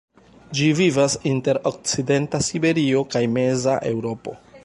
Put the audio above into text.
Ĝi vivas inter okcidenta Siberio kaj meza Eŭropo.